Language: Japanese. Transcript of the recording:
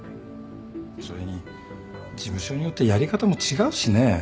それに事務所によってやり方も違うしね。